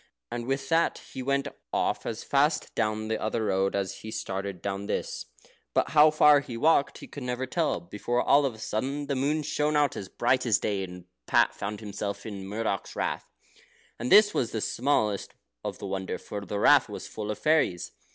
And with that he went off as fast down the other road as he started down this. But how far he walked he never could tell, before all of a sudden the moon shone out as bright as day, and Pat found himself in Murdoch's Rath. And this was the smallest part of the wonder; for the Rath was full of fairies.